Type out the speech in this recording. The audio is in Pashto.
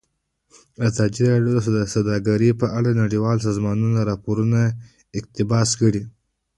ازادي راډیو د سوداګري په اړه د نړیوالو سازمانونو راپورونه اقتباس کړي.